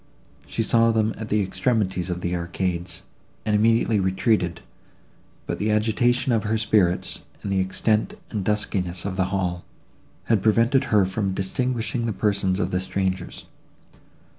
She saw them at the extremities of the arcades, and immediately retreated; but the agitation of her spirits, and the extent and duskiness of the hall, had prevented her from distinguishing the persons of the strangers.